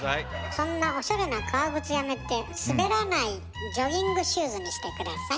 そんなおしゃれな革靴やめて滑らないジョギングシューズにして下さい。